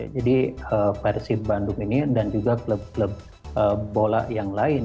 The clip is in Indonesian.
jadi persib bandung ini dan juga klub klub bola yang lain